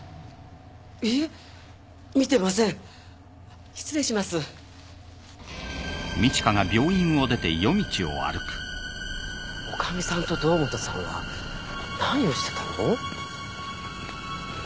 いいえ見てません失礼します女将さんと堂本さんは何をしてたの？